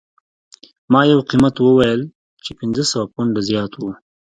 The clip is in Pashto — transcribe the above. ما یو قیمت وویل چې پنځه سوه پونډه زیات و